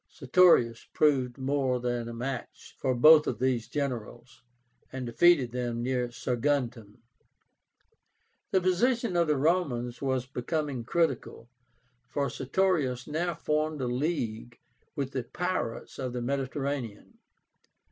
Sertorius proved more than a match for both of these generals, and defeated them near Saguntum. The position of the Romans was becoming critical, for Sertorius now formed a league with the pirates of the Mediterranean.